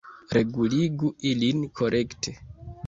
Reguligu ilin korekte!